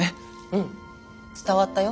うん伝わったよ？